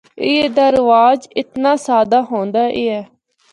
ایہہ دا رواج اتنا سادہ ہوندا ایہا۔